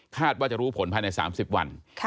ว่าจะรู้ผลภายใน๓๐วัน